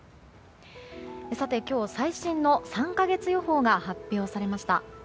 さて、今日最新の３か月予報が発表されました。